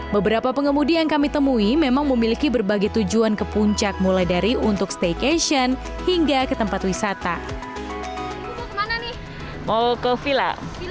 beberapa pengemudi yang kami temui memang memiliki berbagai tujuan ke puncak mulai dari untuk staycation hingga ke tempat wisata